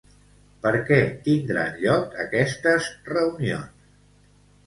Per què tindran lloc aquestes reunions?